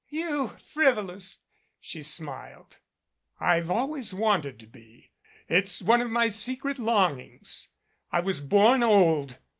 "You frivolous!" she smiled. "I've always wanted to be. It's one of my secret longings. I was born old.